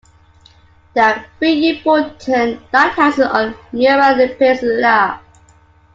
There are three important lighthouses on Miura Peninsula.